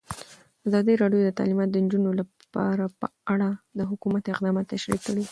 ازادي راډیو د تعلیمات د نجونو لپاره په اړه د حکومت اقدامات تشریح کړي.